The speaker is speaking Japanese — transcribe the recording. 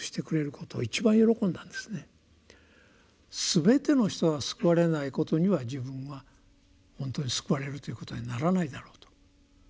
全ての人が救われないことには自分は本当に救われるということにはならないだろうと。